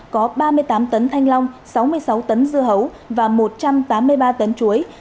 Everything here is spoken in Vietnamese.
có ba mươi tám tấn thanh long sáu mươi sáu tấn dưa hấu và một trăm tám mươi ba tấn chuối